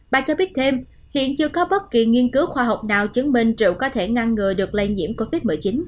bà cho biết thêm hiện chưa có bất kỳ nghiên cứu khoa học nào chứng minh rượu có thể ngăn ngừa được lây nhiễm covid một mươi chín